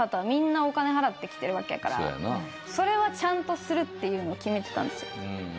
みんなお金払って来てるわけやからそれはちゃんとするっていうの決めてたんですよ。